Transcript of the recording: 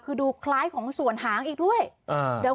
ปลูกมะพร้าน้ำหอมไว้๑๐ต้น